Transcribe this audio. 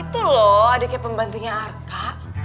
betul loh adiknya pembantunya arka